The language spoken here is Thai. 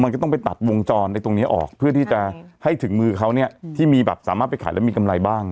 มันก็ต้องไปตัดวงจรในตรงนี้ออกเพื่อที่จะให้ถึงมือเขาเนี่ยที่มีแบบสามารถไปขายแล้วมีกำไรบ้าง